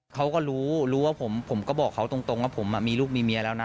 เขาก็รู้รู้ว่าผมก็บอกเขาตรงว่าผมมีลูกมีเมียแล้วนะ